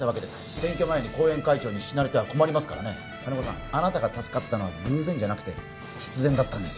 選挙前に後援会長に死なれては困りますからね金子さんあなたが助かったのは偶然じゃなくて必然だったんです